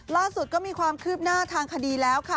ล่าสุดก็มีความคืบหน้าทางคดีแล้วค่ะ